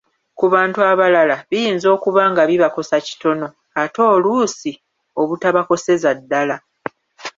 Ku bantu abalala biyinza okuba nga bibakosa kitono oba oluusi obutabakoseza ddala